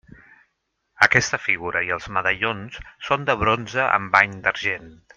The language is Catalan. Aquesta figura i els medallons són de bronze amb bany d'argent.